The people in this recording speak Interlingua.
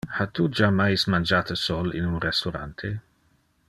Ha tu jammais mangiate sol in un restaurante?